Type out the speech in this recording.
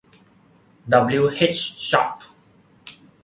W. H. Sharpe.